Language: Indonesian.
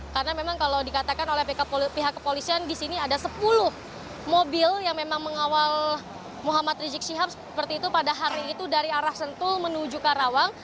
karena memang kalau dikatakan oleh pihak kepolisian di sini ada sepuluh mobil yang memang mengawal muhammad rizik syihab seperti itu pada hari itu dari arah sentul menuju karawang